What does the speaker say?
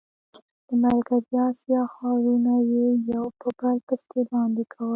د مرکزي اسیا ښارونه یې یو په بل پسې لاندې کول.